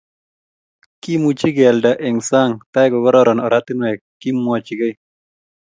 Kimuchi kealda eng sang tai kokoron oratinwek, kimwochkei